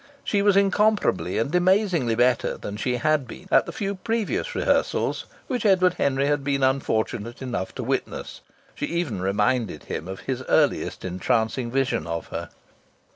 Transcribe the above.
She was incomparably and amazingly better than she had been at the few previous rehearsals which Edward Henry had been unfortunate enough to witness. She even reminded him of his earliest entrancing vision of her.